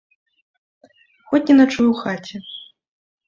Хоць не начуй у хаце.